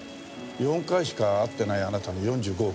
４回しか会っていないあなたに４５億。